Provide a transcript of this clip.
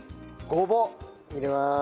ゴボウ入れます。